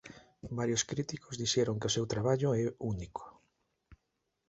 Varios críticos dixeron que o seu traballo é único.